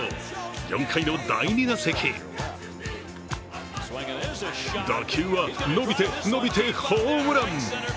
４回の第２打席、打球は伸びて、伸びて、ホームラン！